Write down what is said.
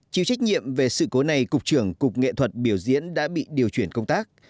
chịu trách nhiệm về sự cố này cục trưởng cục nghệ thuật biểu diễn đã bị điều chuyển công tác